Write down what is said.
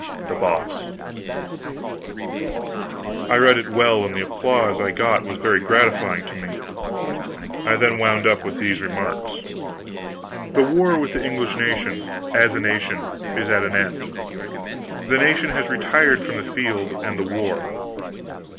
THE BOSS. I read it well, and the applause I got was very gratifying to me. I then wound up with these remarks: "The war with the English nation, as a nation, is at an end. The nation has retired from the field and the war.